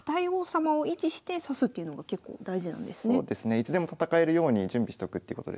いつでも戦えるように準備しとくってことですね。